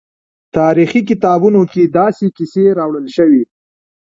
تاریخي کتابونو کې داسې کیسې راوړل شوي.